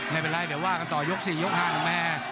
ไม่เป็นไรเดี๋ยวว่ากันต่อยก๔ยก๕แม่